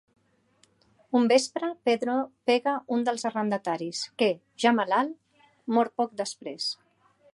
Un vespre, Pedro pega un dels arrendataris, que, ja malalt, mor poc després.